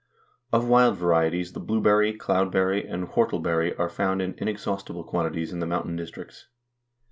Of wild varieties the blueberry, cloudberry, and whortleberry are found in inexhaustible quantities in the mountain districts.